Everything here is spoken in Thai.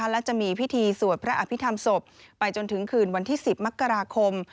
และจะมีพิธีสวดพระอภิษฐรรมศพไปจนถึงคืนวันที่๑๐มกราคม